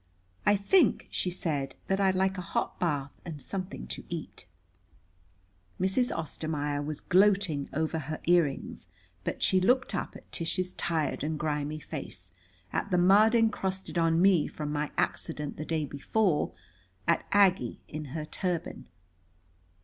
I think," she said, "that I'd like a hot bath and something to eat." Mrs. Ostermaier was gloating over her earrings, but she looked up at Tish's tired and grimy face, at the mud encrusted on me from my accident the day before, at Aggie in her turban.